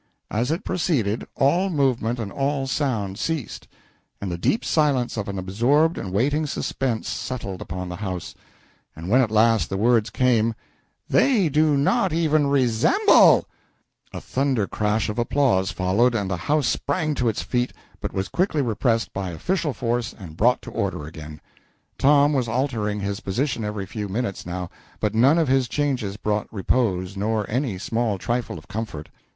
As it proceeded, all movement and all sound ceased, and the deep silence of an absorbed and waiting suspense settled upon the house; and when at last the words came "They do not even resemble," a thunder crash of applause followed and the house sprang to its feet, but was quickly repressed by official force and brought to order again. Tom was altering his position every few minutes, now, but none of his changes brought repose nor any small trifle of comfort.